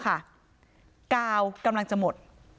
กาวกำลังจะหมด